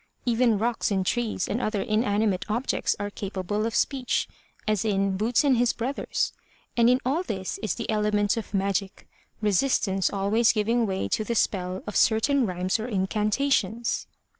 Even rocks and trees and other inanimate objects are capable of speech, as in Boots and His Brothers, and in all is the element of magic, resistance always giving way to the spell of certain rhymes or incantations.